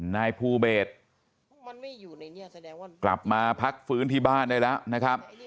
นายภูเบศกลับมาพักฟื้นที่บ้านได้แล้วนะครับ